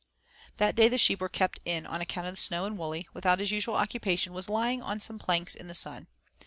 That day the sheep were kept in on account of the snow and Wully, without his usual occupation, was lying on some planks in the sun.